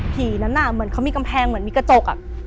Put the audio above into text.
หินนั้นเหมือนเขามีกำแพงเหมือนมีกระจก